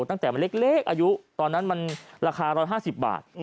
ตั้งแต่มันเล็กอายุตอนนั้นมันราคา๑๕๐บาท